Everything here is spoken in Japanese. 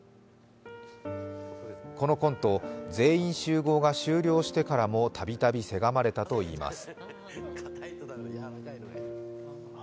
このコント、「全員集合」が終了してからもたびたびせがまれたといいます。